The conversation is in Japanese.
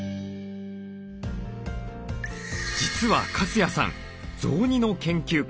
実は粕谷さん雑煮の研究家。